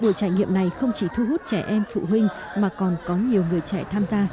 buổi trải nghiệm này không chỉ thu hút trẻ em phụ huynh mà còn có nhiều người trẻ tham gia